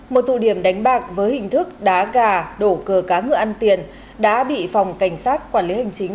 một tụ điểm đánh bạc với hình thức đá gà đổ cờ cá ngựa ăn tiền đã bị phòng cảnh sát quản lý hành chính